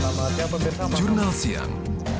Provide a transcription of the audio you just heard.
bersama keluarga kami baru mampu dengan si penting